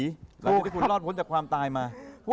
หลังจากที่คุณรอดบ้นจากความตายมา